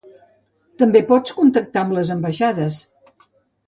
També pots contactar amb les ambaixades.